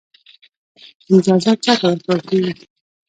امتیازات چا ته ورکول کیږي؟